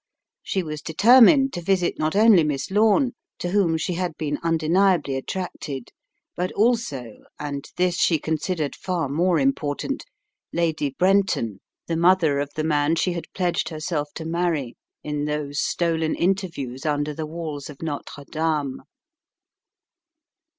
She was determined to visit not only Miss Lome, to whom she had been undeniably attracted, but also, and this she considered far more important, Lady Brenton, the mother of the man she had pledged herself to marry in those stolen interviews under the walls of Notre Dame.